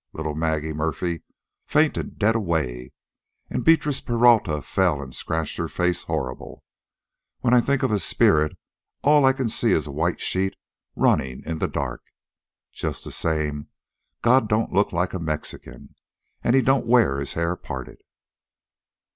Little Maggie Murphy fainted dead away, and Beatrice Peralta fell an' scratched her face horrible. When I think of a spirit all I can see is a white sheet runnin' in the dark. Just the same, God don't look like a Mexican, an' he don't wear his hair parted."